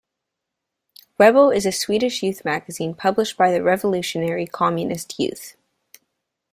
Rebell is a Swedish youth magazine published by the Revolutionary Communist Youth.